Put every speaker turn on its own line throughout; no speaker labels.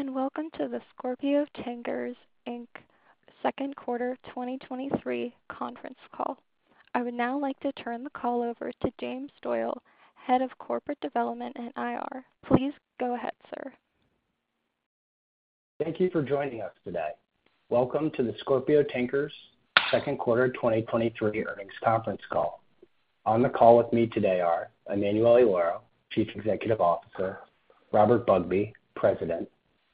Hello, and welcome to the Scorpio Tankers Inc. second quarter 2023 conference call. I would now like to turn the call over to James Doyle, Head of Corporate Development and IR. Please go ahead, sir.
Thank you for joining us today. Welcome to the Scorpio Tankers second quarter 2023 earnings conference call. On the call with me today are Emanuele Lauro, Chief Executive Officer; Robert Bugbee, President;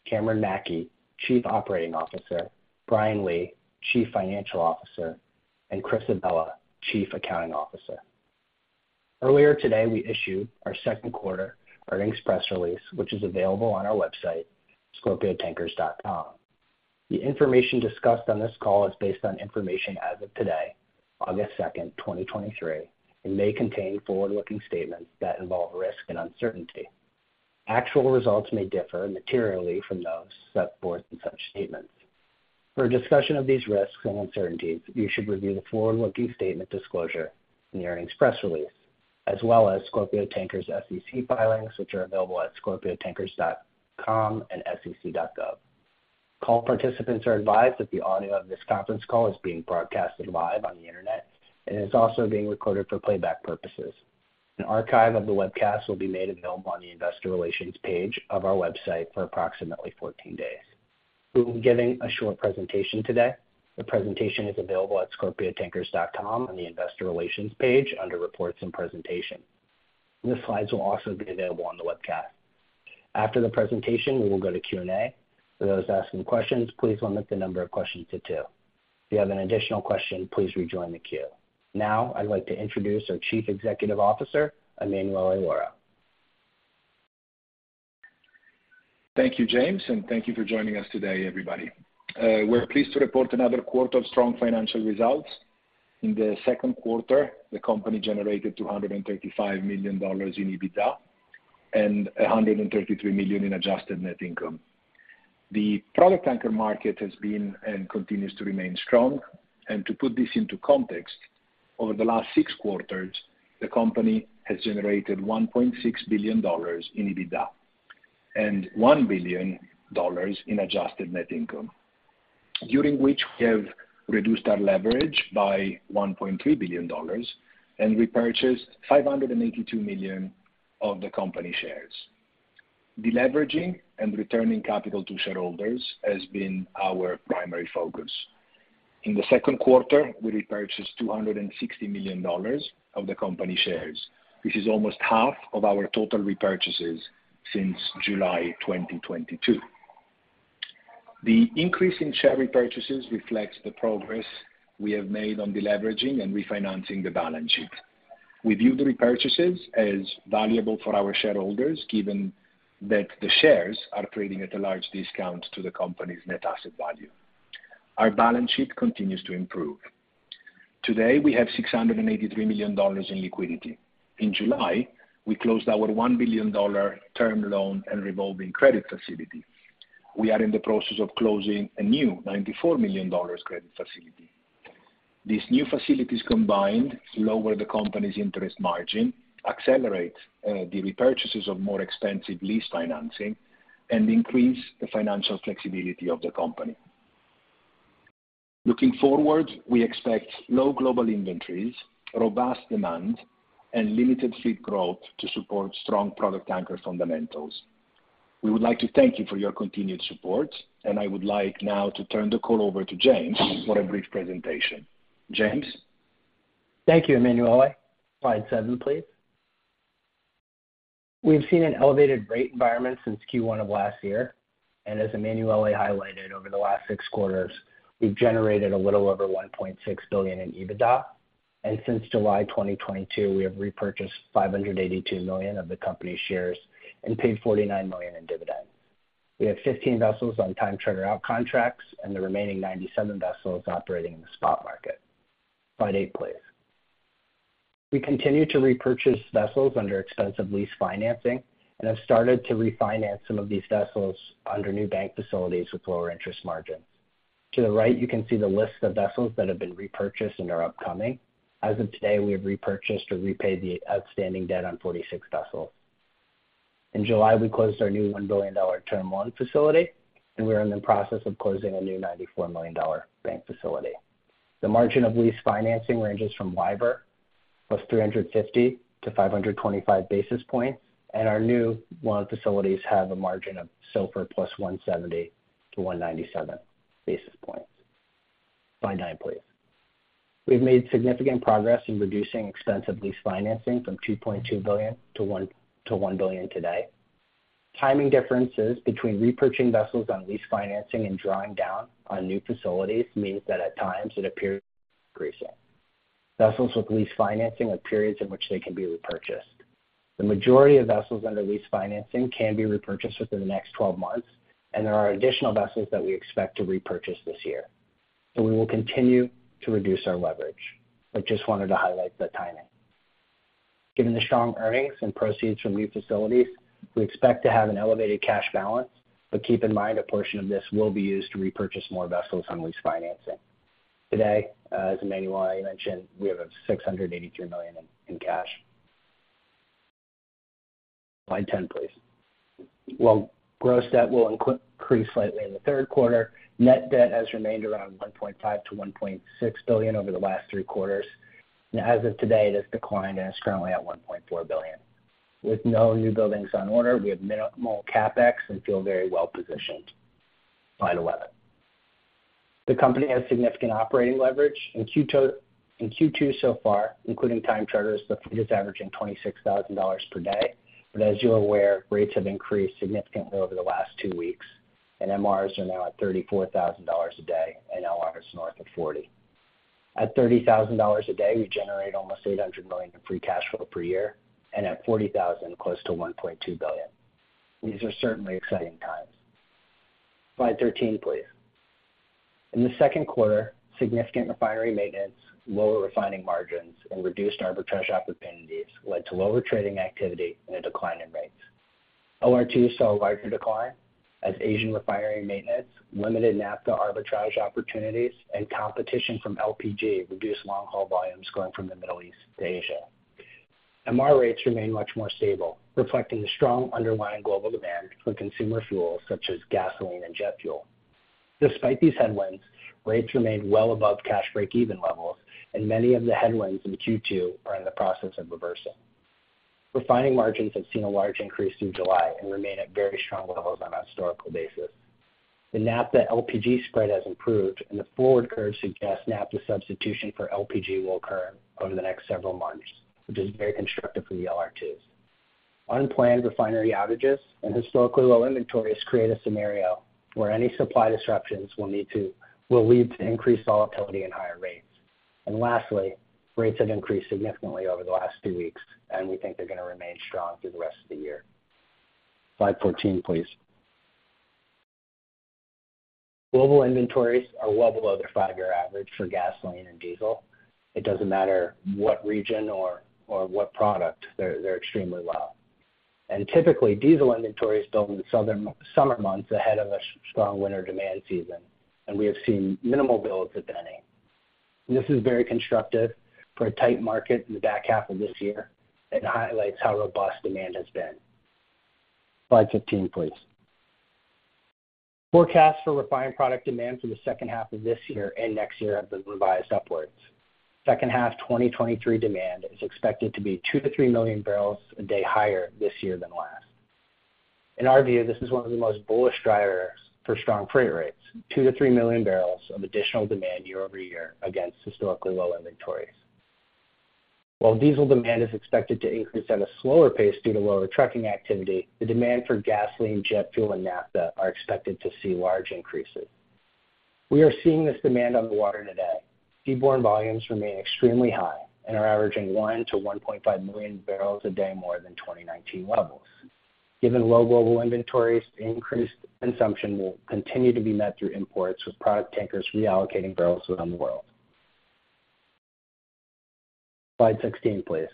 Cameron Mackey, Chief Operating Officer; Brian Lee, Chief Financial Officer; and Christopher Avella, Chief Accounting Officer. Earlier today, we issued our second quarter earnings press release, which is available on our website, scorpiotankers.com. The information discussed on this call is based on information as of today, August 2nd, 2023, and may contain forward-looking statements that involve risk and uncertainty. Actual results may differ materially from those set forth in such statements. For a discussion of these risks and uncertainties, you should review the forward-looking statement disclosure in the earnings press release, as well as Scorpio Tankers' SEC filings, which are available at scorpiotankers.com and sec.gov. Call participants are advised that the audio of this conference call is being broadcasted live on the Internet and is also being recorded for playback purposes. An archive of the webcast will be made available on the investor relations page of our website for approximately 14 days. We will be giving a short presentation today. The presentation is available at scorpiotankers.com on the investor relations page under Reports and Presentation. The slides will also be available on the webcast. After the presentation, we will go to Q&A. For those asking questions, please limit the number of questions to two. If you have an additional question, please rejoin the queue. Now, I'd like to introduce our Chief Executive Officer, Emanuele Lauro.
Thank you, James, and thank you for joining us today, everybody. We're pleased to report another quarter of strong financial results. In the second quarter, the company generated $235 million in EBITDA and $133 million in adjusted net income. The product tanker market has been and continues to remain strong, to put this into context, over the last six quarters, the company has generated $1.6 billion in EBITDA and $1 billion in adjusted net income, during which we have reduced our leverage by $1.3 billion and repurchased $582 million of the company shares. Deleveraging and returning capital to shareholders has been our primary focus. In the second quarter, we repurchased $260 million of the company shares, which is almost half of our total repurchases since July 2022. The increase in share repurchases reflects the progress we have made on deleveraging and refinancing the balance sheet. We view the repurchases as valuable for our shareholders, given that the shares are trading at a large discount to the company's net asset value. Our balance sheet continues to improve. Today, we have $683 million in liquidity. In July, we closed our $1 billion term loan and revolving credit facility. We are in the process of closing a new $94 million credit facility. These new facilities combined lower the company's interest margin, accelerate the repurchases of more expensive lease financing, and increase the financial flexibility of the company. Looking forward, we expect low global inventories, robust demand, and limited fleet growth to support strong product tanker fundamentals. We would like to thank you for your continued support, and I would like now to turn the call over to James for a brief presentation. James?
Thank you, Emanuele. Slide seven, please. We've seen an elevated rate environment since Q1 of last year, and as Emanuele highlighted, over the last 6 quarters, we've generated a little over $1.6 billion in EBITDA, and since July 2022, we have repurchased $582 million of the company's shares and paid $49 million in dividends. We have 15 vessels on time charter out contracts and the remaining 97 vessels operating in the spot market. Slide eight, please. We continue to repurchase vessels under expensive lease financing and have started to refinance some of these vessels under new bank facilities with lower interest margins. To the right, you can see the list of vessels that have been repurchased and are upcoming. As of today, we have repurchased or repaid the outstanding debt on 46 vessels. In July, we closed our new $1 billion term loan facility. We are in the process of closing a new $94 million bank facility. The margin of lease financing ranges from LIBOR, +350-525 basis points. Our new loan facilities have a margin of SOFR +170-197 basis points. Slide nine, please. We've made significant progress in reducing expensive lease financing from $2.2 billion to one, to $1 billion today. Timing differences between repurchasing vessels on lease financing and drawing down on new facilities means that at times it appears increasing. Vessels with lease financing have periods in which they can be repurchased. The majority of vessels under lease financing can be repurchased within the next 12 months. There are additional vessels that we expect to repurchase this year. We will continue to reduce our leverage. I just wanted to highlight the timing. Given the strong earnings and proceeds from new facilities, we expect to have an elevated cash balance, but keep in mind a portion of this will be used to repurchase more vessels on lease financing. Today, as Emmanuel mentioned, we have $683 million in cash. Slide 10, please. While gross debt will increase slightly in the third quarter, net debt has remained around $1.5 billion-$1.6 billion over the last three quarters, and as of today, it has declined and is currently at $1.4 billion. With no new buildings on order, we have minimal CapEx and feel very well positioned. Slide 11. The company has significant operating leverage. In Q2 so far, including time charters, the fleet is averaging $26,000 per day. As you're aware, rates have increased significantly over the last two weeks, and MRs are now at $34,000 a day, and LRs north of $40,000. At $30,000 a day, we generate almost $800 million in free cash flow per year, and at $40,000, close to $1.2 billion. These are certainly exciting times. Slide 13, please. In the second quarter, significant refinery maintenance, lower refining margins, and reduced arbitrage opportunities led to lower trading activity and a decline in rates. LR2 saw a larger decline as Asian refinery maintenance, limited naphtha arbitrage opportunities, and competition from LPG reduced long-haul volumes going from the Middle East to Asia. MR rates remain much more stable, reflecting the strong underlying global demand for consumer fuels such as gasoline and jet fuel. Despite these headwinds, rates remained well above cash break-even levels, and many of the headwinds in Q2 are in the process of reversing. Refining margins have seen a large increase through July and remain at very strong levels on a historical basis. The naphtha LPG spread has improved, and the forward curve suggests naphtha substitution for LPG will occur over the next several months, which is very constructive for the LR2s. Unplanned refinery outages and historically low inventories create a scenario where any supply disruptions will lead to increased volatility and higher rates. Lastly, rates have increased significantly over the last two weeks, and we think they're going to remain strong through the rest of the year. Slide 14, please. Global inventories are well below their five-year average for gasoline and diesel. It doesn't matter what region or, or what product, they're, they're extremely low. Typically, diesel inventories build in the summer months ahead of a strong winter demand season, and we have seen minimal builds if any. This is very constructive for a tight market in the back half of this year and highlights how robust demand has been. Slide 15, please. Forecasts for refined product demand for the second half of this year and next year have been revised upwards. Second half 2023 demand is expected to be 2 million-3 million barrels a day higher this year than last. In our view, this is one of the most bullish drivers for strong freight rates, 2 million-3 million barrels of additional demand year-over-year against historically low inventories. While diesel demand is expected to increase at a slower pace due to lower trucking activity, the demand for gasoline, jet fuel, and naphtha are expected to see large increases. We are seeing this demand on the water today. Seaborne volumes remain extremely high and are averaging 1 million-1.5 million barrels a day more than 2019 levels. Given low global inventories, the increased consumption will continue to be met through imports, with product tankers reallocating barrels around the world. Slide 16, please.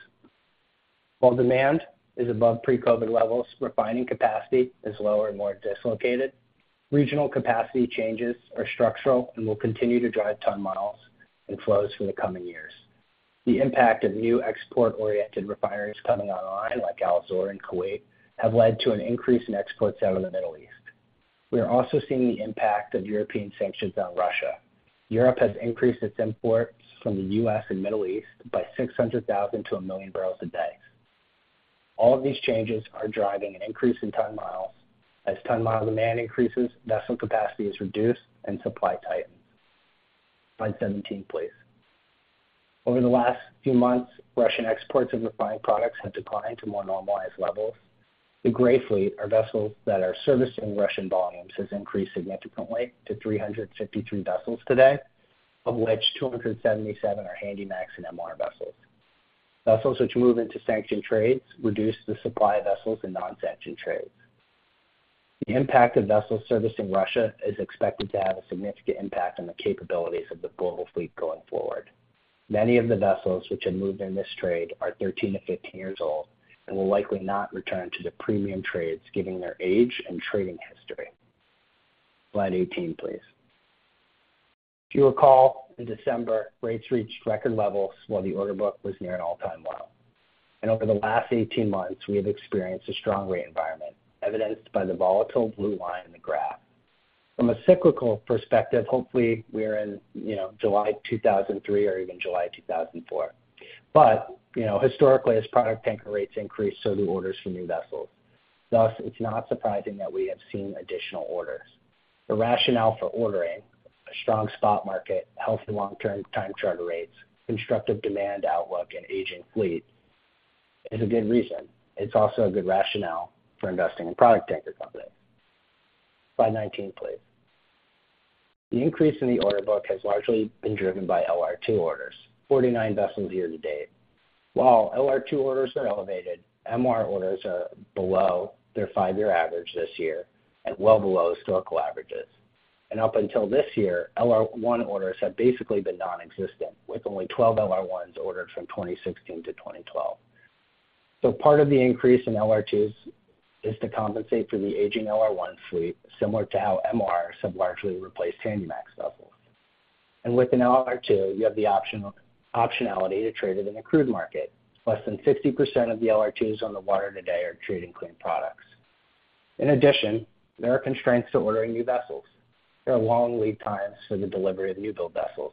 While demand is above pre-COVID levels, refining capacity is lower and more dislocated. Regional capacity changes are structural and will continue to drive ton miles and flows for the coming years. The impact of new export-oriented refineries coming online, like Al Zour in Kuwait, have led to an increase in exports out of the Middle East. We are also seeing the impact of European sanctions on Russia. Europe has increased its imports from the U.S. and Middle East by 600,000-1,000,000 barrels a day. All of these changes are driving an increase in ton miles. As ton mile demand increases, vessel capacity is reduced and supply tightens. Slide 17, please. Over the last few months, Russian exports of refined products have declined to more normalized levels. The gray fleet, are vessels that are servicing Russian volumes, has increased significantly to 353 vessels today, of which 277 are Handymax and MR vessels. Vessels which move into sanctioned trades reduce the supply of vessels in non-sanctioned trades. The impact of vessels servicing Russia is expected to have a significant impact on the capabilities of the global fleet going forward. Many of the vessels which have moved in this trade are 13-15 years old and will likely not return to the premium trades, given their age and trading history. Slide 18, please. Over the last 18 months, we have experienced a strong rate environment, evidenced by the volatile blue line in the graph. From a cyclical perspective, hopefully, we're in, you know, July 2003 or even July 2004. You know, historically, as product tanker rates increase, so do orders for new vessels. Thus, it's not surprising that we have seen additional orders. The rationale for ordering a strong spot market, healthy long-term time charter rates, constructive demand outlook, and aging fleet is a good reason. It's also a good rationale for investing in product tanker companies. Slide 19, please. The increase in the order book has largely been driven by LR2 orders, 49 vessels year to date. While LR2 orders are elevated, MR orders are below their five-year average this year and well below historical averages. Up until this year, LR1 orders have basically been non-existent, with only 12 LR1s ordered from 2016 to 2012. Part of the increase in LR2s is to compensate for the aging LR1 fleet, similar to how MRs have largely replaced Handymax vessels. With an LR2, you have the optionality to trade it in a crude market. Less than 50% of the LR2s on the water today are trading clean products. In addition, there are constraints to ordering new vessels. There are long lead times for the delivery of new-build vessels.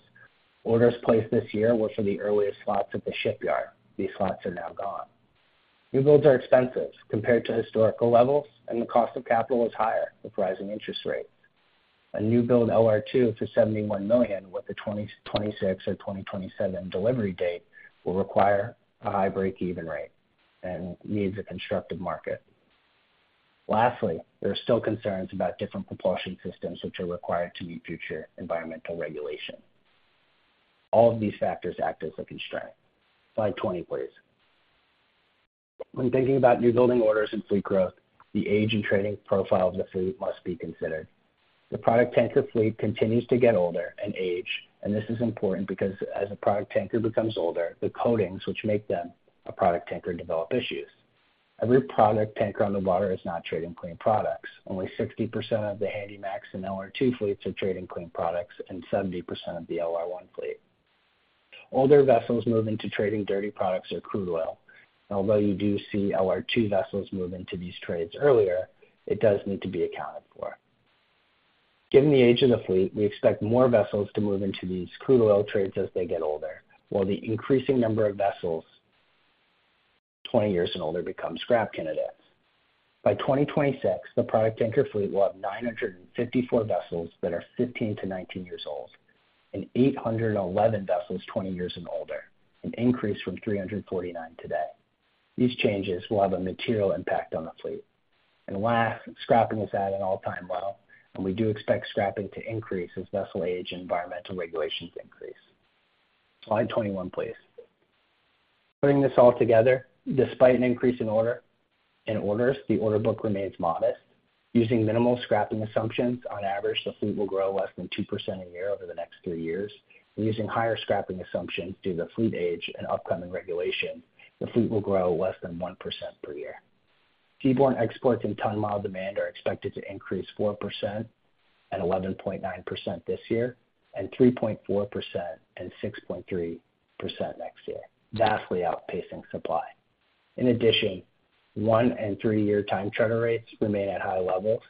Orders placed this year were for the earliest slots at the shipyard. These slots are now gone. New builds are expensive compared to historical levels, and the cost of capital is higher with rising interest rates. A new build LR2 for $71 million, with the 2026 or 2027 delivery date, will require a high break-even rate and needs a constructive market. Lastly, there are still concerns about different propulsion systems, which are required to meet future environmental regulation. All of these factors act as a constraint. Slide 20, please. When thinking about new building orders and fleet growth, the age and trading profile of the fleet must be considered. The product tanker fleet continues to get older and age, and this is important because as a product tanker becomes older, the coatings, which make them a product tanker, develop issues. Every product tanker on the water is not trading clean products. Only 60% of the Handymax and LR2 fleets are trading clean products, and 70% of the LR1 fleet. Older vessels move into trading dirty products or crude oil. Although you do see LR2 vessels move into these trades earlier, it does need to be accounted for. Given the age of the fleet, we expect more vessels to move into these crude oil trades as they get older, while the increasing number of vessels 20 years and older become scrap candidates. By 2026, the product tanker fleet will have 954 vessels that are 15-19 years old and 811 vessels 20 years and older, an increase from 349 today. These changes will have a material impact on the fleet. Last, scrapping is at an all-time low, and we do expect scrapping to increase as vessel age and environmental regulations increase. Slide 21, please. Putting this all together, despite an increase in orders, the order book remains modest. Using minimal scrapping assumptions, on average, the fleet will grow less than 2% a year over the next three years. Using higher scrapping assumptions, due to fleet age and upcoming regulation, the fleet will grow less than 1% per year. Seaborne exports and ton mile demand are expected to increase 4% and 11.9% this year, and 3.4% and 6.3% next year, vastly outpacing supply. In addition, one and three-year time charter rates remain at high levels,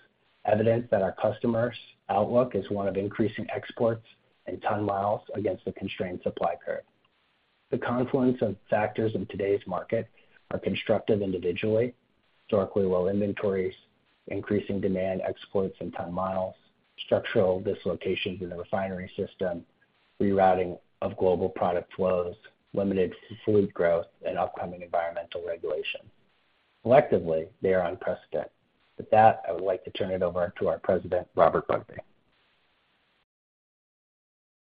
evidence that our customers' outlook is one of increasing exports and ton miles against a constrained supply curve. The confluence of factors in today's market are constructive individually, historically low inventories, increasing demand, exports and ton miles, structural dislocations in the refinery system, rerouting of global product flows, limited fleet growth, and upcoming environmental regulation. Collectively, they are unprecedented. With that, I would like to turn it over to our President, Robert Bugbee.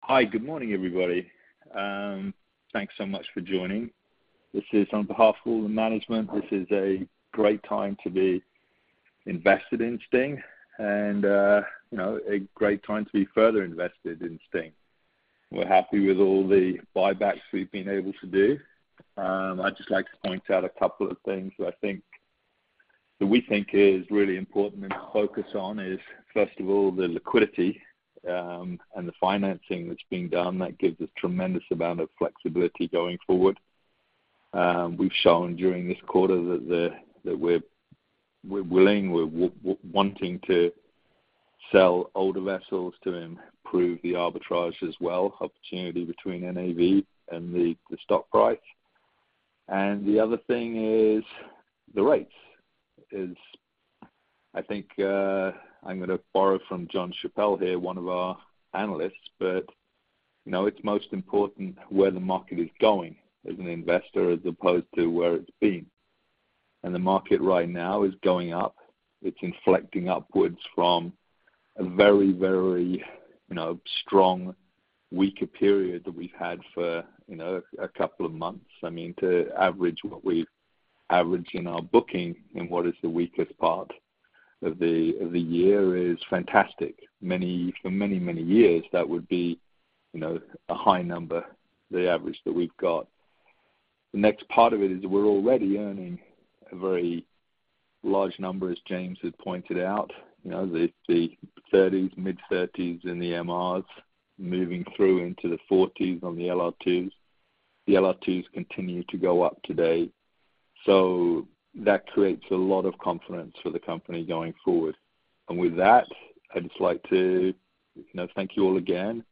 Hi, good morning, everybody. Thanks so much for joining. This is on behalf of all the management, this is a great time to be invested in STNG and, you know, a great time to be further invested in STNG. We're happy with all the buybacks we've been able to do. I'd just like to point out a couple of things that I think, that we think is really important to focus on is, first of all, the liquidity, and the financing that's being done. That gives us tremendous amount of flexibility going forward. we've shown during this quarter that we're, we're willing, we're wanting to sell older vessels to improve the arbitrage as well, opportunity between NAV and the stock price. The other thing is the rates, is I think, I'm gonna borrow from John Chappell here, one of our analysts, but, you know, it's most important where the market is going as an investor, as opposed to where it's been. The market right now is going up. It's inflecting upwards from a very, very, you know, strong, weaker period that we've had for, you know, a couple of months. I mean, to average what we've averaged in our booking and what is the weakest part of the, of the year is fantastic. For many, many years, that would be, you know, a high number, the average that we've got. The next part of it is we're already earning a very large number, as James has pointed out, you know, the 30s, mid-30s in the MRs, moving through into the 40s on the LR2s. The LR2s continue to go up today, so that creates a lot of confidence for the company going forward. With that, I'd just like to, you know, thank you all again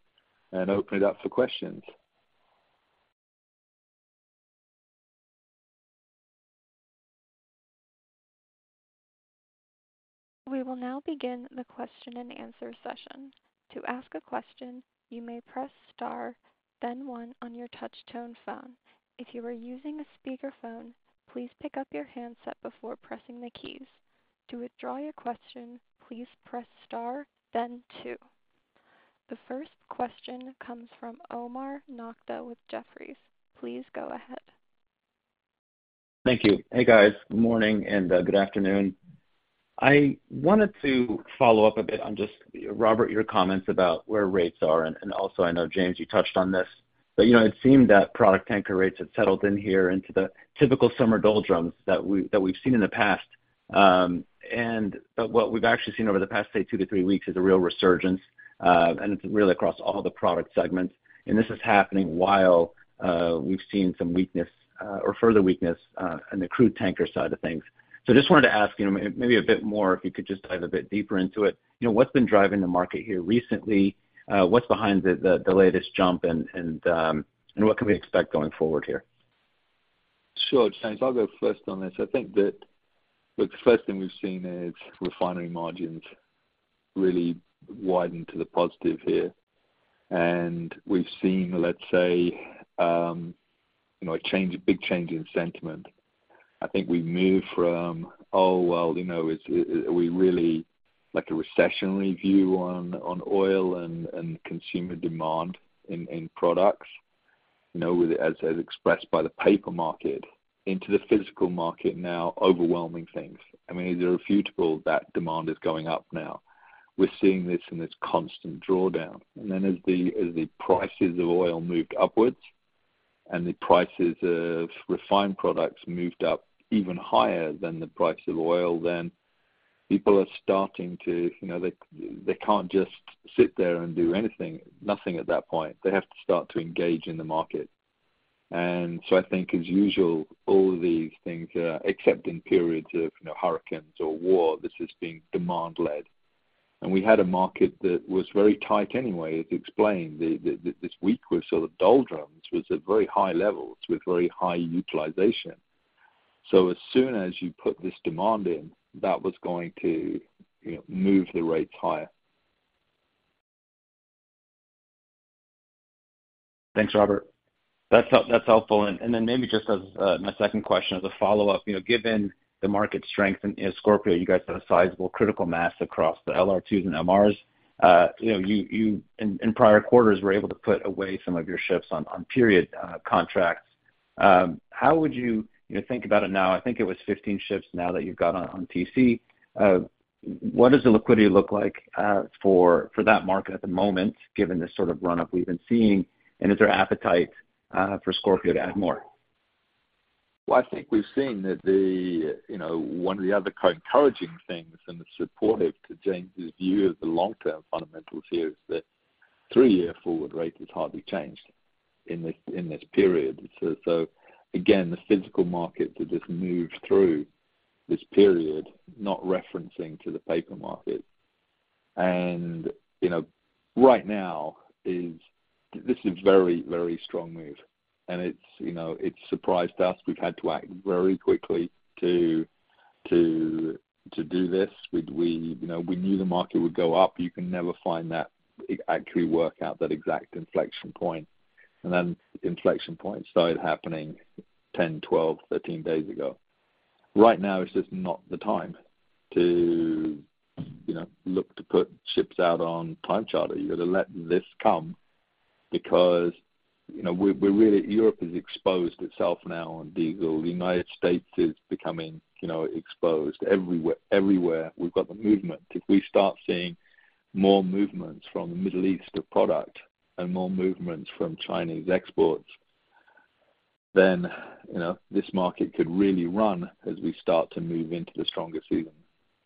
and open it up for questions.
We will now begin the question-and-answer session. To ask a question, you may press star, then one on your touch-tone phone. If you are using a speakerphone, please pick up your handset before pressing the keys. To withdraw your question, please press star then two. The first question comes from Omar Nokta with Jefferies. Please go ahead.
Thank you. Hey, guys. Good morning and good afternoon. I wanted to follow up a bit on just, Robert, your comments about where rates are, and also, I know, James, you touched on this. You know, it seemed that product tanker rates had settled in here into the typical summer doldrums that we, that we've seen in the past. What we've actually seen over the past, say, two to three weeks, is a real resurgence, and it's really across all the product segments. This is happening while we've seen some weakness, or further weakness, in the crude tanker side of things. Just wanted to ask, you know, maybe a bit more, if you could just dive a bit deeper into it. You know, what's been driving the market here recently? What's behind the, the, the latest jump, and, and, and what can we expect going forward here?
Sure, James, I'll go first on this. I think that, look, the first thing we've seen is refinery margins really widen to the positive here. We've seen, let's say, you know, a change, a big change in sentiment. I think we've moved from, "Oh, well, you know, it's, we really like a recession review on, on oil and, and consumer demand in, in products," you know, with it, as, as expressed by the paper market into the physical market now overwhelming things. I mean, is it refutable that demand is going up now? We're seeing this in this constant drawdown. As the, as the prices of oil moved upwards, and the prices of refined products moved up even higher than the price of oil, people are starting to, you know... They, they can't just sit there and do anything, nothing at that point. They have to start to engage in the market. I think, as usual, all these things, except in periods of, you know, hurricanes or war, this is being demand led. We had a market that was very tight anyway, as explained. The, the, the, this weak or sort of doldrums was at very high levels with very high utilization. As soon as you put this demand in, that was going to, you know, move the rates higher.
Thanks, Robert. That's helpful. Then maybe just as my second question as a follow-up. You know, given the market strength in Scorpio, you guys have a sizable critical mass across the LR2s and MRs. You know, you in prior quarters, were able to put away some of your ships on period contracts. How would you, you know, think about it now? I think it was 15 ships now that you've got on TCE. What does the liquidity look like for that market at the moment, given the sort of run-up we've been seeing, and is there appetite for Scorpio to add more?
Well, I think we've seen that the, you know, one of the other kind of encouraging things, and it's supportive to James' view of the long-term fundamentals here, is that three-year forward rate has hardly changed in this, in this period. So again, the physical market that just moved through this period, not referencing to the paper market. You know, right now is, this is a very, very strong move, and it's, you know, it's surprised us. We've had to act very quickly to do this. We, you know, we knew the market would go up. You can never find that, actually work out that exact inflection point. Then inflection point started happening 10, 12, 13 days ago. Right now is just not the time to, you know, look to put ships out on time charter. You've got to let this come because, you know, really Europe has exposed itself now on diesel. The United States is becoming, you know, exposed everywhere, everywhere. We've got the movement. If we start seeing more movements from the Middle East of product and more movements from Chinese exports, then, you know, this market could really run as we start to move into the stronger season.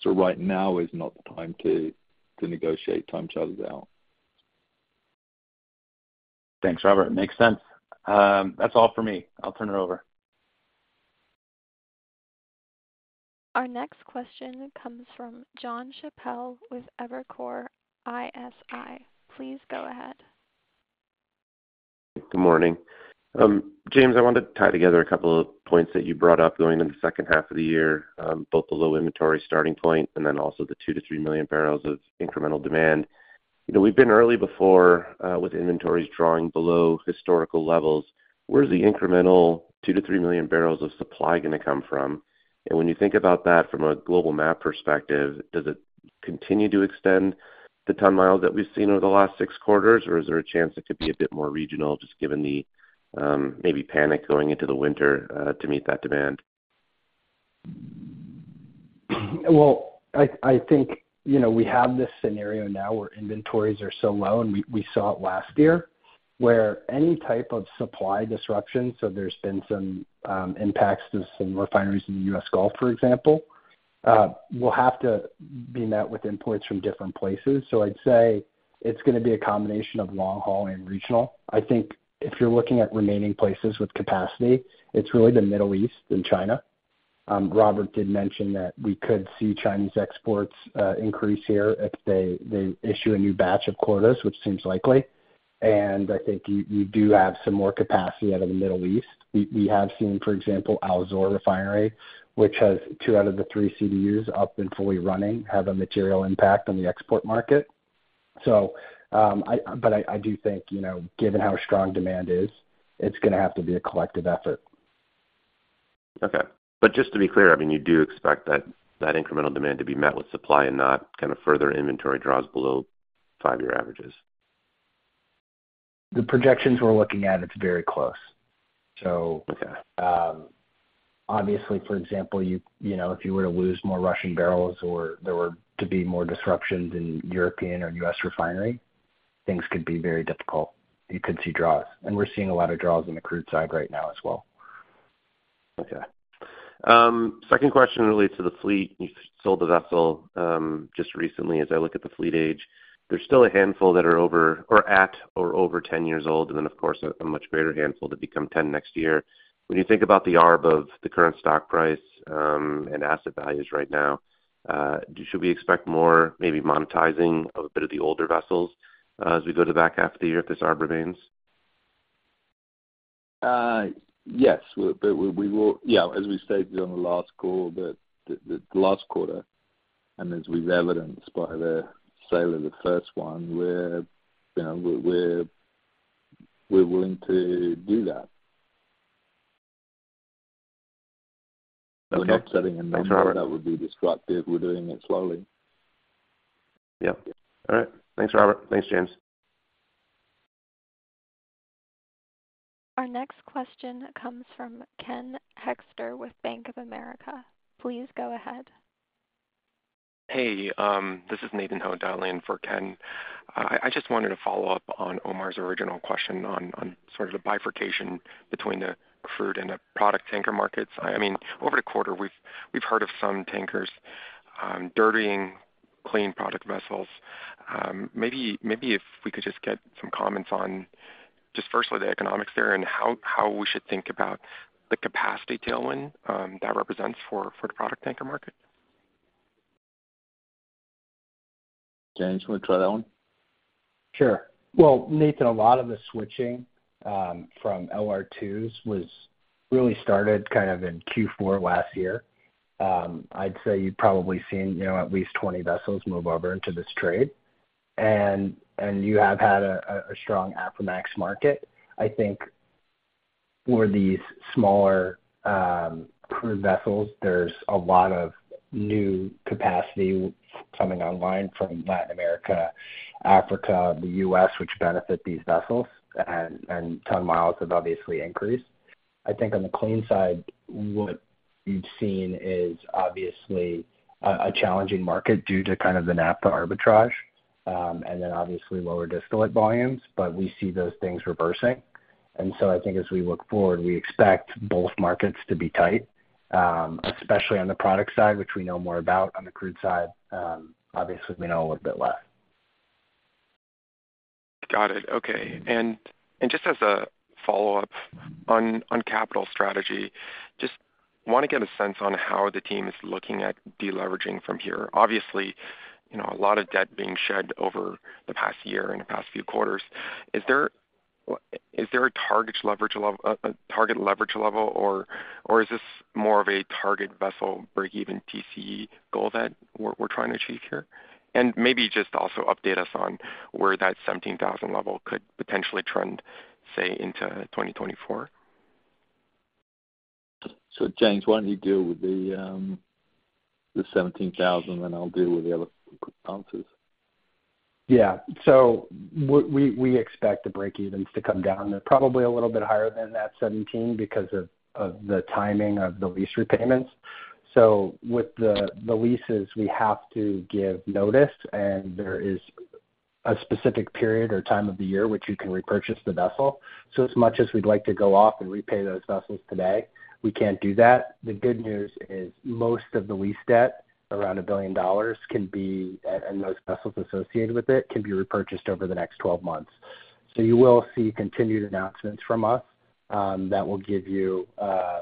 Right now is not the time to negotiate time charters out.
Thanks, Robert. Makes sense. That's all for me. I'll turn it over.
Our next question comes from John Chappell with Evercore ISI. Please go ahead.
Good morning. James, I wanted to tie together a couple of points that you brought up going in the second half of the year, both the low inventory starting point and then also the 2 million-3 million barrels of incremental demand. You know, we've been early before, with inventories drawing below historical levels. Where's the incremental 2 million-3 million barrels of supply gonna come from? When you think about that from a global map perspective, does it continue to extend the ton miles that we've seen over the last six quarters, or is there a chance it could be a bit more regional, just given the, maybe panic going into the winter, to meet that demand?
Well, I, I think, you know, we have this scenario now where inventories are so low, and we, we saw it last year, where any type of supply disruption, so there's been some impacts to some refineries in the U.S. Gulf, for example, will have to be met with imports from different places. I'd say it's gonna be a combination of long haul and regional. I think if you're looking at remaining places with capacity, it's really the Middle East and China. Robert did mention that we could see Chinese exports increase here if they, they issue a new batch of quotas, which seems likely. I think you, you do have some more capacity out of the Middle East. We, we have seen, for example, Al Zour Refinery, which has two out of the three CDUs up and fully running, have a material impact on the export market. I do think, you know, given how strong demand is, it's gonna have to be a collective effort.
Okay. Just to be clear, I mean, you do expect that, that incremental demand to be met with supply and not kind of further inventory draws below five-year averages?
The projections we're looking at, it's very close.
Okay.
Obviously, for example, you, you know, if you were to lose more Russian barrels or there were to be more disruptions in European or U.S. refinery, things could be very difficult. You could see draws, and we're seeing a lot of draws in the crude side right now as well.
Okay. Second question relates to the fleet. You sold the vessel just recently. As I look at the fleet age, there's still a handful that are over or at or over 10 years old, and then, of course, a much greater handful to become 10 next year. When you think about the arb of the current stock price, and asset values right now, should we expect more maybe monetizing of a bit of the older vessels, as we go to the back half of the year, if this arb remains?
Yes. Yeah, as we stated on the last call, that the, the last quarter, and as we've evidenced by the sale of the first one, we're, you know, we're, we're, we're willing to do that.
Okay. Thanks, Robert.
That would be disruptive. We're doing it slowly.
Yep. All right. Thanks, Robert. Thanks, James.
Our next question comes from Ken Hoexter with Bank of America. Please go ahead.
Hey, this is Nathan Ho dialing in for Ken. I, I just wanted to follow up on Omar's original question on, on sort of the bifurcation between the crude and the product tanker markets. I mean, over the quarter, we've, we've heard of some tankers dirtying clean product vessels. Maybe, maybe if we could just get some comments on just firstly, the economics there and how, how we should think about the capacity tailwind that represents for, for the product tanker market.
James, you want to try that one?
Sure. Well, Nathan, a lot of the switching from LR2s was really started kind of in Q4 last year. I'd say you've probably seen, you know, at least 20 vessels move over into this trade. You have had a strong Aframax market. I think for these smaller crude vessels, there's a lot of new capacity coming online from Latin America, Africa, the U.S., which benefit these vessels, and ton miles have obviously increased. I think on the clean side, what you've seen is obviously a challenging market due to kind of the naphtha arbitrage, and then obviously lower distillate volumes, but we see those things reversing. I think as we look forward, we expect both markets to be tight, especially on the product side, which we know more about. On the crude side, obviously, we know a little bit less.
Got it. Okay. Just as a follow-up on, on capital strategy, just want to get a sense on how the team is looking at deleveraging from here. Obviously, you know, a lot of debt being shed over the past year and the past few quarters. Is there, is there a target leverage level, or, or is this more of a target vessel breakeven TCE goal that we're, we're trying to achieve here? Maybe just also update us on where that 17,000 level could potentially trend, say, into 2024.
James, why don't you deal with the, the 17,000, and I'll deal with the other responses.
Yeah. We, we, we expect the breakevens to come down. They're probably a little bit higher than that 17 because of, of the timing of the lease repayments. With the, the leases, we have to give notice, and there is a specific period or time of the year which you can repurchase the vessel. As much as we'd like to go off and repay those vessels today, we can't do that. The good news is most of the lease debt, around $1 billion, can be, and those vessels associated with it, can be repurchased over the next 12 months. You will see continued announcements from us that will give you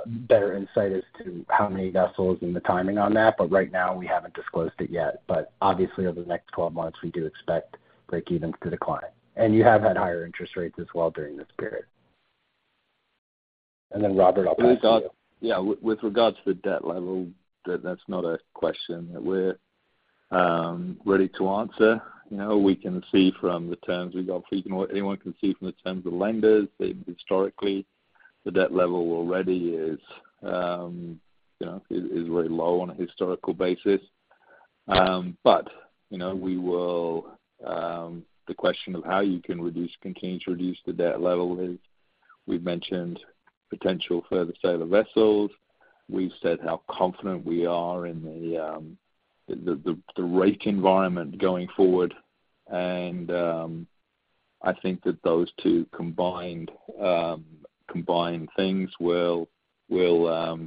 better insight as to how many vessels and the timing on that, but right now we haven't disclosed it yet. Obviously, over the next 12 months, we do expect breakevens to decline. You have had higher interest rates as well during this period. Robert, I'll pass it to you.
Yeah. With, with regards to the debt level, that, that's not a question that we're ready to answer. You know, we can see from the terms we got, anyone can see from the terms of lenders, historically, the debt level already is, you know, is, is very low on a historical basis. You know, we will. The question of how you can reduce, continue to reduce the debt level is, we've mentioned potential further sale of vessels. We've said how confident we are in the, the, the, the rate environment going forward. I think that those two combined, combined things will, will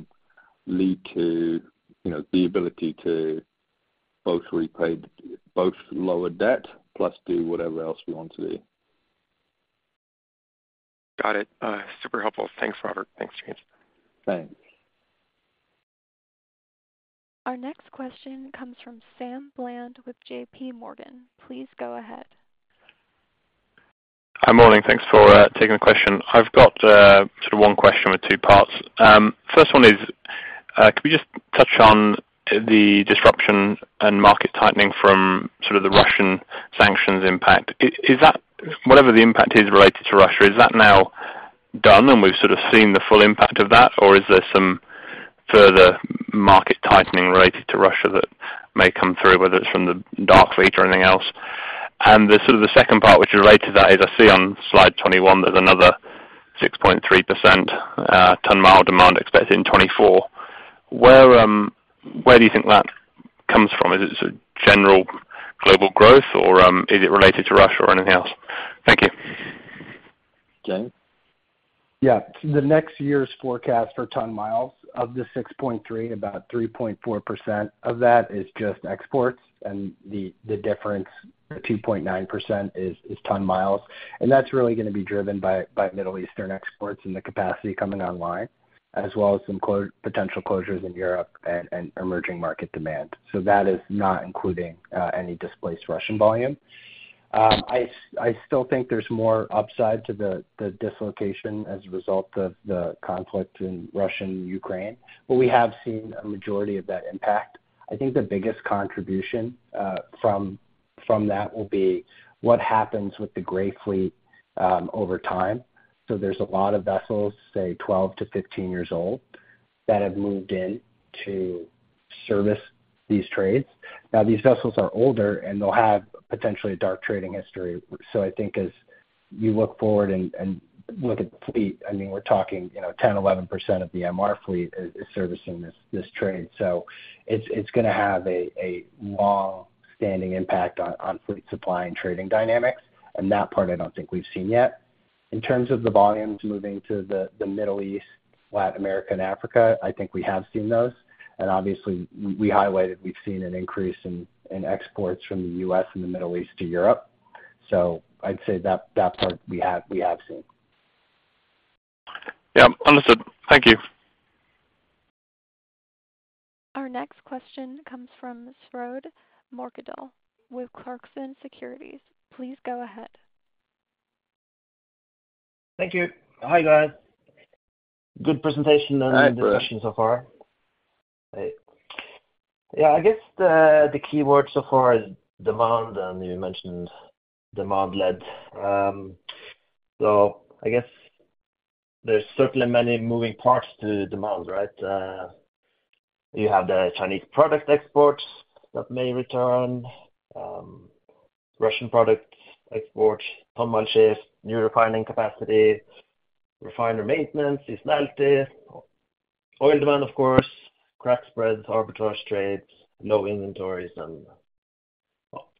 lead to, you know, the ability to both repay, both lower debt plus do whatever else we want to do.
Got it. super helpful. Thanks, Robert. Thanks, James.
Thanks.
Our next question comes from Sam Bland with JPMorgan. Please go ahead.
Hi, morning. Thanks for taking the question. I've got sort of one question with two parts. First one is, could we just touch on the disruption and market tightening from sort of the Russian sanctions impact? Whatever the impact is related to Russia, is that now done and we've sort of seen the full impact of that? Or is there some further market tightening related to Russia that may come through, whether it's from the dark fleet or anything else? The sort of the second part, which is related to that, is I see on slide 21, there's another 6.3% ton mile demand expected in 2024. Where do you think that comes from? Is it general global growth, or is it related to Russia or anything else? Thank you.
James?
Yeah. The next year's forecast for ton miles of the 6.3%, about 3.4% of that is just exports, and the, the difference, 2.9% is, is ton miles. That's really gonna be driven by Middle Eastern exports and the capacity coming online, as well as some potential closures in Europe and, and emerging market demand. That is not including any displaced Russian volume. I still think there's more upside to the, the dislocation as a result of the conflict in Russia and Ukraine, but we have seen a majority of that impact. I think the biggest contribution from, from that will be what happens with the gray fleet over time. There's a lot of vessels, say, 12-15 years old, that have moved in to service these trades. These vessels are older, and they'll have potentially a dark trading history. I think as you look forward and look at the fleet, I mean, we're talking, you know, 10-11% of the MR fleet is servicing this trade. It's gonna have a longstanding impact on fleet supply and trading dynamics, and that part I don't think we've seen yet. In terms of the volumes moving to the Middle East, Latin America and Africa, I think we have seen those. Obviously, we highlighted, we've seen an increase in exports from the U.S. and the Middle East to Europe. I'd say that, that part we have, we have seen.
Yeah, understood. Thank you.
Our next question comes from Frode Morkedal with Clarksons Securities. Please go ahead.
Thank you. Hi, guys. Good presentation and.
Hi, Frode.
Discussion so far. Hey. Yeah, I guess the, the key word so far is demand, and you mentioned demand lead. So I guess there's certainly many moving parts to demand, right? You have the Chinese product exports that may return, Russian product exports, ton mile shift, new refining capacity, refiner maintenance, seasonality, oil demand, of course, crack spreads, arbitrage trades, low inventories, and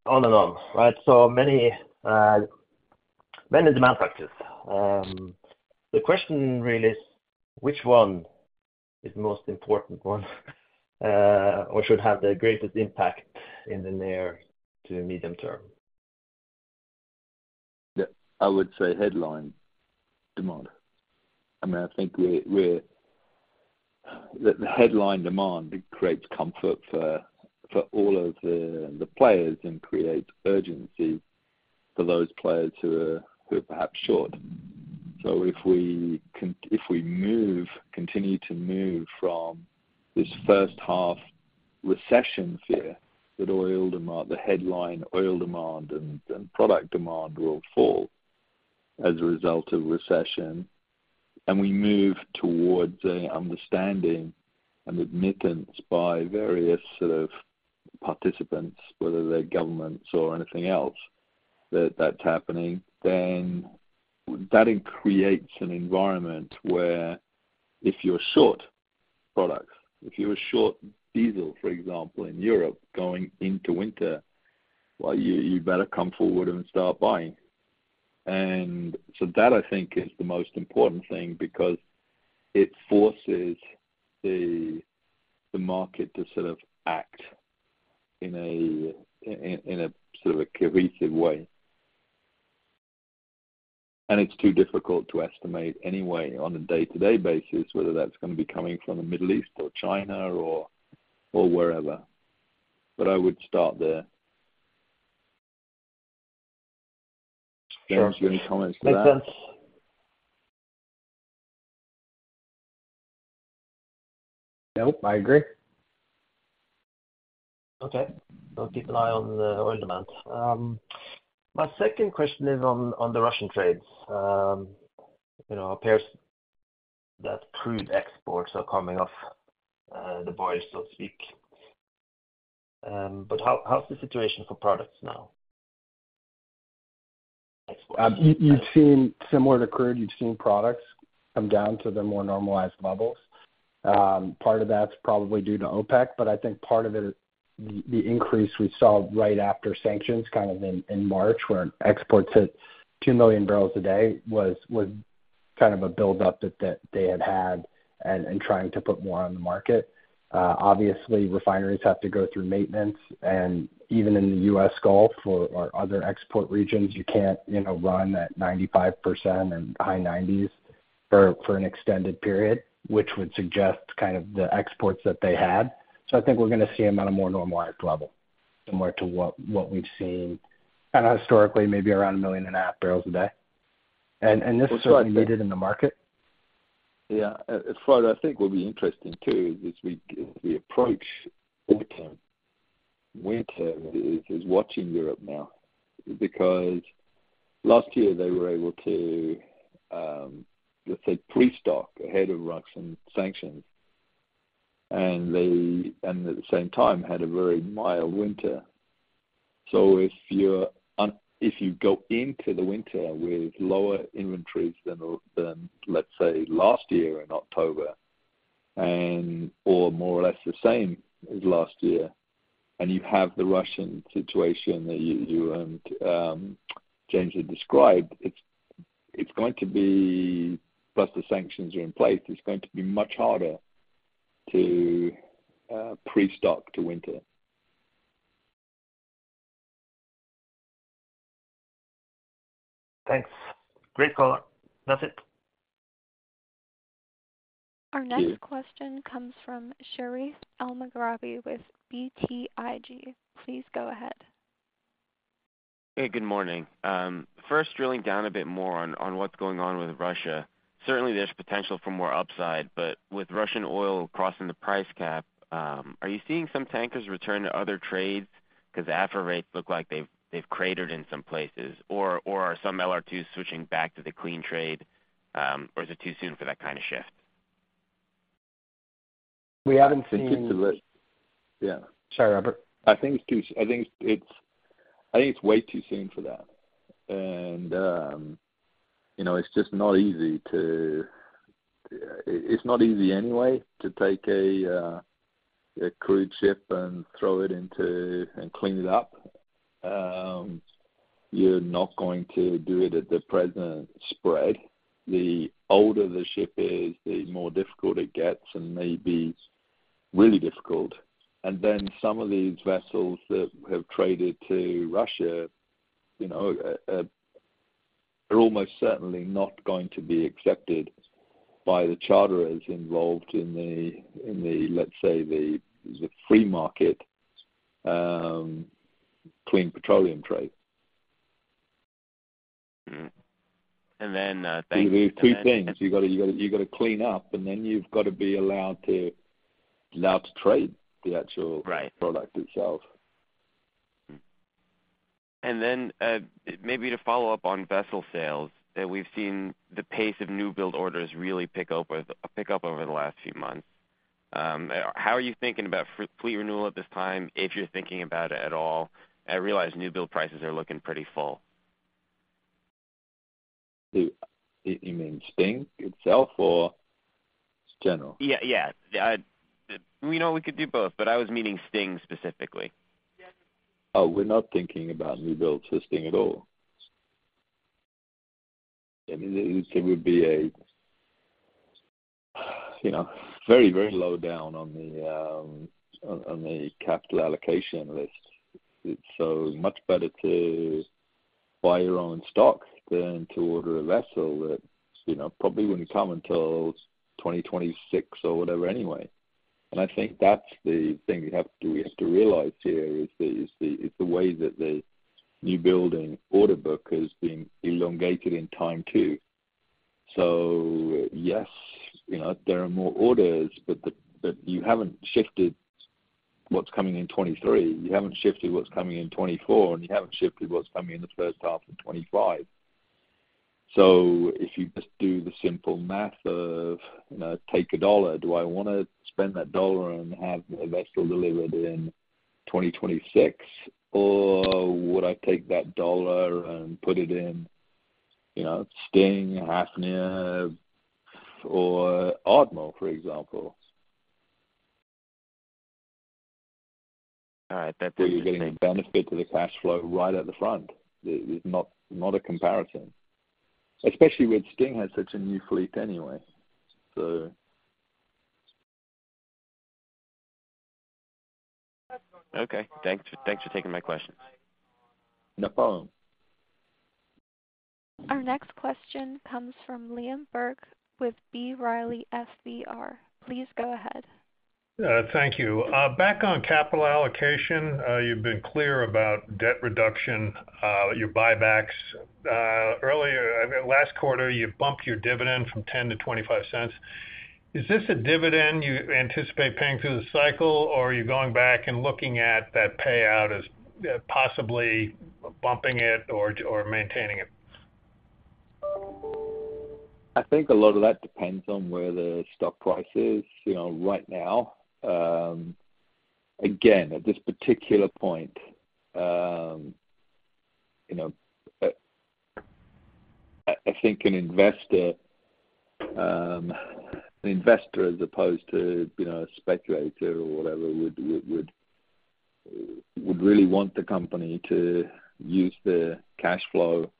on and on, right? So many, many demand factors. The question really is, which one is the most important one, or should have the greatest impact in the near to medium term?
Yeah, I would say headline demand. I mean, I think we're that the headline demand, it creates comfort for, for all of the, the players and creates urgency for those players who are, who are perhaps short. If we move, continue to move from this first half recession fear that oil demand, the headline oil demand and, and product demand will fall as a result of recession, and we move towards a understanding and admittance by various sort of participants, whether they're governments or anything else, that that's happening, then that it creates an environment where if you're short products, if you're short diesel, for example, in Europe, going into winter, well, you better come forward and start buying. So that, I think, is the most important thing because it forces the market to sort of act in a sort of a cohesive way. It's too difficult to estimate anyway on a day-to-day basis, whether that's gonna be coming from the Middle East or China or, or wherever. I would start there. James, any comments to that?
Makes sense.
Nope, I agree.
Okay. We'll keep an eye on the oil demand. My second question is on, on the Russian trades. You know, appears that crude exports are coming off, the boys, so to speak. How, how's the situation for products now?
You, you've seen similar to crude, you've seen products come down to the more normalized levels. Part of that's probably due to OPEC, I think part of it is the, the increase we saw right after sanctions, kind of in, in March, where exports hit 2 million barrels a day, was, was kind of a buildup that, that they had had and, and trying to put more on the market. Obviously, refineries have to go through maintenance, and even in the U.S. Gulf or, or other export regions, you can't, you know, run at 95% and high 90s for, for an extended period, which would suggest kind of the exports that they had. I think we're gonna see them at a more normalized level, similar to what, what we've seen kinda historically, maybe around 1.5 million barrels a day. And this is needed in the market.
Yeah. As far as I think what be interesting, too, is we, as we approach autumn, winter is, is watching Europe now, because last year they were able to, let's say, pre-stock ahead of Russian sanctions. And they, and at the same time, had a very mild winter. If you go into the winter with lower inventories than the, than, let's say, last year in October, and or more or less the same as last year, and you have the Russian situation that you, you, James had described, it's, it's going to be, plus, the sanctions are in place, it's going to be much harder to pre-stock to winter.
Thanks. Great color. That's it.
Our next question comes from Sherif Elmaghrabi with BTIG. Please go ahead.
Hey, good morning. First, drilling down a bit more on, on what's going on with Russia. Certainly, there's potential for more upside, but with Russian oil crossing the price cap, are you seeing some tankers return to other trades? 'Cause the Aframax rates look like they've, they've cratered in some places. Or are some LR2s switching back to the clean trade, or is it too soon for that kind of shift?
We haven't seen. Sorry, Robert.
I think it's way too soon for that. You know, it's just not easy anyway to take a crude ship and throw it into, and clean it up. You're not going to do it at the present spread. The older the ship is, the more difficult it gets, and may be really difficult. Then some of these vessels that have traded to Russia, you know, are almost certainly not going to be accepted by the charterers involved in the, in the, let's say, the, the free market, clean petroleum trade.
Mm-hmm. Then, thank you.
There's two things. You gotta, you gotta, you gotta clean up, and then you've got to be allowed to allowed to trade.
Right.
Product itself.
Hmm. Then, maybe to follow up on vessel sales, that we've seen the pace of new build orders really pick up with, pick up over the last few months. How are you thinking about fleet renewal at this time, if you're thinking about it at all? I realize new build prices are looking pretty full.
You, you mean STNG itself, or just general?
Yeah, yeah, you know, we could do both, but I was meaning STNG specifically.
Oh, we're not thinking about new builds for STNG at all. I mean, it would be a, you know, very, very low down on the capital allocation list. It's so much better to buy your own stock than to order a vessel that, you know, probably wouldn't come until 2026 or whatever anyway. I think that's the thing you have to realize here, is the way that the new building order book has been elongated in time, too. Yes, you know, there are more orders, but you haven't shifted what's coming in 2023, you haven't shifted what's coming in 2024, and you haven't shifted what's coming in the first half of 2025. If you just do the simple math of, you know, take $1, do I wanna spend that $1 and have a vessel delivered in 2026, or would I take that $1 and put it in, you know, STNG, Hafnia, or Ardmore, for example?
All right. That makes sense.
You're getting a benefit to the cash flow right at the front. It's not a comparison, especially with STNG has such a new fleet anyway.
Okay. Thanks, thanks for taking my questions.
No problem.
Our next question comes from Liam Burke with B. Riley FBR. Please go ahead.
Thank you. Back on capital allocation, you've been clear about debt reduction, your buybacks. Earlier, last quarter, you bumped your dividend from $0.10-$0.25. Is this a dividend you anticipate paying through the cycle, or are you going back and looking at that payout as possibly bumping it or maintaining it?
I think a lot of that depends on where the stock price is, you know, right now. Again, at this particular point, you know, I, I think an investor, an investor as opposed to, you know, a speculator or whatever, would, would, would, would really want the company to use the cash flow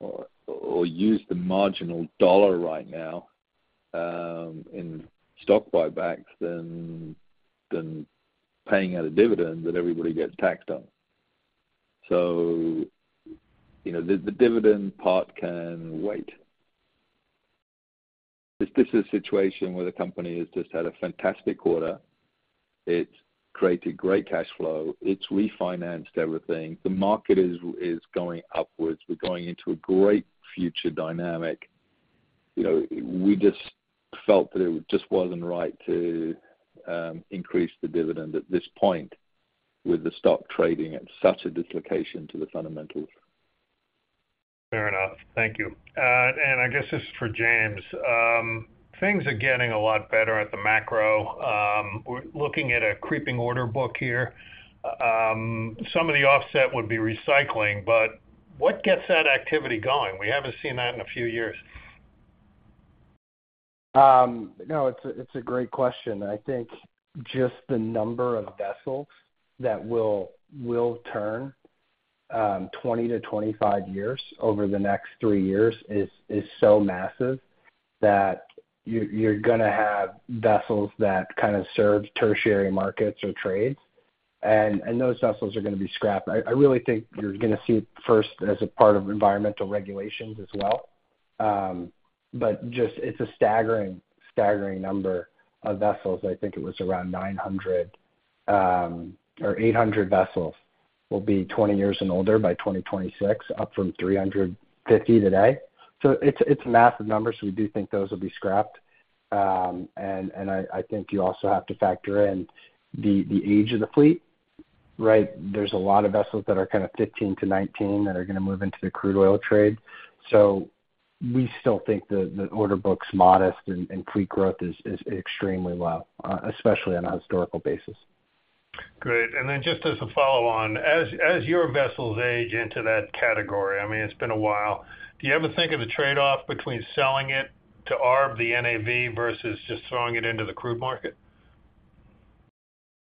or, or use the marginal dollar right now, in stock buybacks than, than paying out a dividend that everybody gets taxed on. You know, the, the dividend part can wait. This is a situation where the company has just had a fantastic quarter. It's created great cash flow. It's refinanced everything. The market is, is going upwards. We're going into a great future dynamic. You know, we just felt that it just wasn't right to increase the dividend at this point, with the stock trading at such a dislocation to the fundamentals.
Fair enough. Thank you. I guess this is for James. Things are getting a lot better at the macro. We're looking at a creeping order book here. Some of the offset would be recycling, but what gets that activity going? We haven't seen that in a few years.
No, it's a great question. I think just the number of vessels that will turn 20-25 years over the next three years is so massive that you're gonna have vessels that kind of serve tertiary markets or trades, and those vessels are going to be scrapped. I really think you're gonna see it first as a part of environmental regulations as well. Just it's a staggering, staggering number of vessels. I think it was around 900 or 800 vessels will be 20 years and older by 2026, up from 350 today. It's a massive number, so we do think those will be scrapped. I think you also have to factor in the age of the fleet, right? There's a lot of vessels that are kind of 15-19, that are going to move into the crude oil trade. We still think the, the order book's modest and, and fleet growth is, is extremely low, especially on a historical basis.
Great. Just as a follow-on, as, as your vessels age into that category, I mean, it's been a while, do you ever think of the trade-off between selling it to arb the NAV versus just throwing it into the crude market?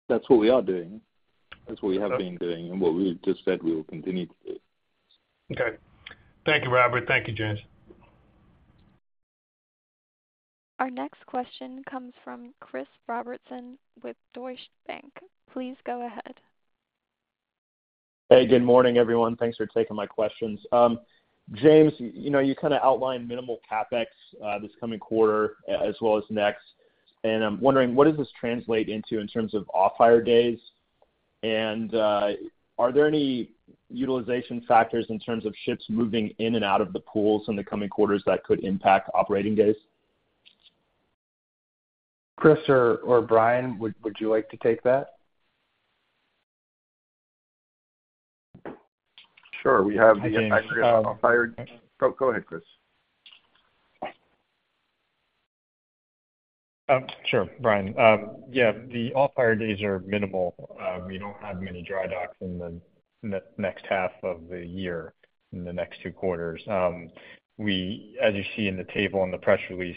That's what we are doing. That's what we have been doing and what we just said we will continue to do.
Okay. Thank you, Robert. Thank you, James.
Our next question comes from Chris Robertson with Deutsche Bank. Please go ahead.
Hey, good morning, everyone. Thanks for taking my questions. James, you know, you kind of outlined minimal CapEx this coming quarter, as well as next, and I'm wondering, what does this translate into in terms of off-hire days? Are there any utilization factors in terms of ships moving in and out of the pools in the coming quarters that could impact operating days?
Chris or, or Brian, would, would you like to take that?
Sure. We have the off-hire. Go, go ahead, Chris.
Sure, Brian. Yeah, the off-hire days are minimal. We don't have many dry docks in the next half of the year, in the next two quarters. We as you see in the table on the press release,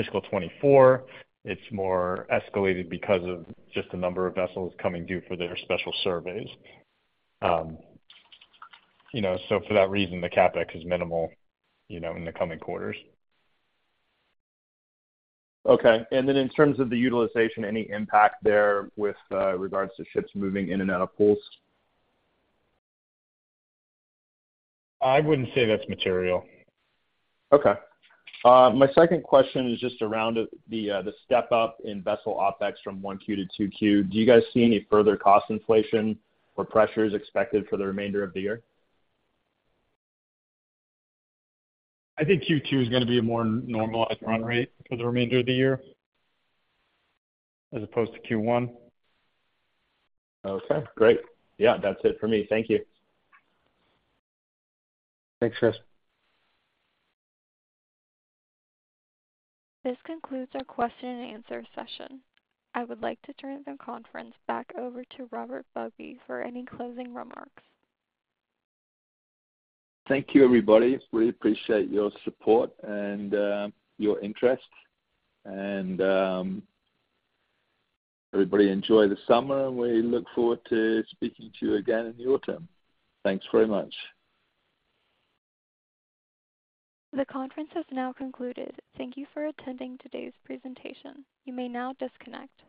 fiscal 2024, it's more escalated because of just the number of vessels coming due for their special surveys. You know, so for that reason, the CapEx is minimal, you know, in the coming quarters.
Okay. Then in terms of the utilization, any impact there with regards to ships moving in and out of pools?
I wouldn't say that's material.
Okay. My second question is just around the, the step up in vessel OpEx from 1Q to 2Q. Do you guys see any further cost inflation or pressures expected for the remainder of the year?
I think Q2 is going to be a more normalized run rate for the remainder of the year, as opposed to Q1.
Okay, great. Yeah, that's it for me. Thank you.
Thanks, Chris.
This concludes our question and answer session. I would like to turn the conference back over to Robert Bugbee for any closing remarks.
Thank you, everybody. We appreciate your support and your interest. Everybody enjoy the summer, and we look forward to speaking to you again in the autumn. Thanks very much.
The conference has now concluded. Thank you for attending today's presentation. You may now disconnect.